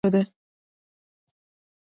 پسه د افغانستان په اوږده تاریخ کې ذکر شوی دی.